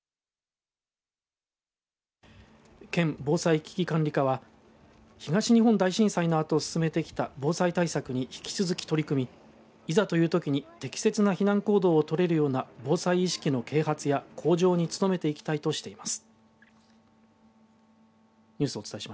県防災危機管理課は東日本大震災のあと進めてきた防災対策に引き続き取り組みいざというときに適切な避難行動を取れるような防災意識の啓発や向上に努めていきたいとしています。